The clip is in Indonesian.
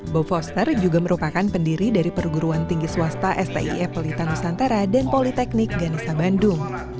bob foster juga merupakan pendiri dari perguruan tinggi swasta stie pelita nusantara dan politeknik ganista bandung